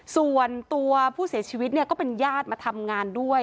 ส่วนตัวผู้เสียชีวิตเนี่ยก็เป็นญาติมาทำงานด้วย